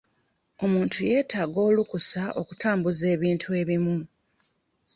Omuntu yeetaaga olukusa okutambuza ebintu ebimu.